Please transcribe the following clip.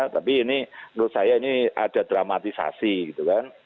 tapi ini menurut saya ini ada dramatisasi gitu kan